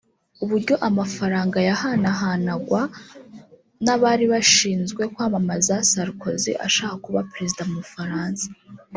uburyo amafaranga yahanahanagwa n’abari bashinzwe kwamamaza Sarkozy ashaka kuba Perezida mu Bufaransa